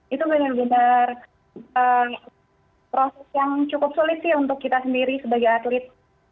itu benar benar proses yang cukup sulit sih untuk kita sendiri sebagai atlet